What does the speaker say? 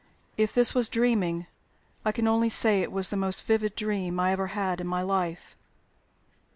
If this was dreaming, I can only say it was the most vivid dream I ever had in my life."